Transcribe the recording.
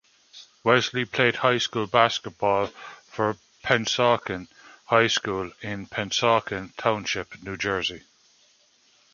Wesley played high school basketball for Pennsauken High School in Pennsauken Township, New Jersey.